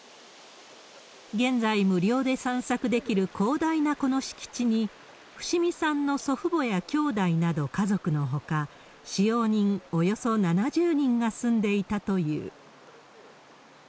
現在、無料で散策できる広大なこの敷地に、伏見さんの祖父母やきょうだいなど家族のほか、使用人およそ７０人が住んでいたという。